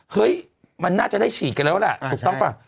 เฮ้ยมันน่าจะได้ฉีดกันแล้วล่ะถูกต้องป่ะ